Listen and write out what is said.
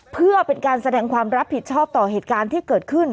เพื่อเป็นการแสดงความรับผิดชอบต่อเหตุการณ์ที่เกิดขึ้น